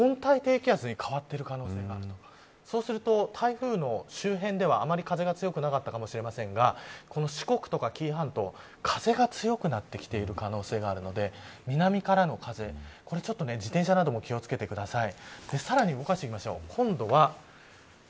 この状態で台風が温帯低気圧に変わっている可能性があるそうすると台風の周辺ではあまり風が強くなかったかもしれませんが四国とか紀伊半島風が強くなってきている可能性があるので南からの風自転車なども気を付けてください。